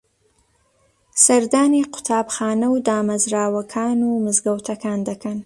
سەردانی قوتابخانە و دامەزراوەکان و مزگەوتەکان دەکەن